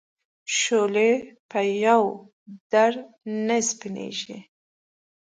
شولې په یوه در نه سپینېږي.